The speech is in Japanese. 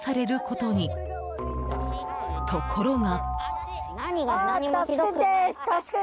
ところが。